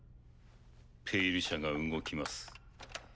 「ペイル社」が動きます。